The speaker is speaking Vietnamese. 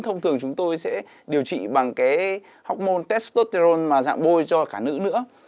thông thường chúng tôi sẽ điều trị bằng cái hormôn testosterone mà dạng bôi cho cả nữ nữa